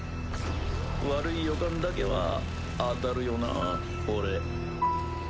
悪い予感だけは当たるよなぁ俺。